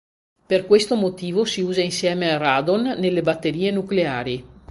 Per questo motivo si usa insieme al radon nelle batterie nucleari.